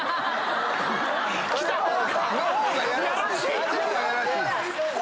来た方がやらしい！